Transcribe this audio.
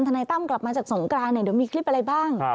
ถนัยตั้มกลับมาจากสงการโดยมีคลิปอะไรบ้าง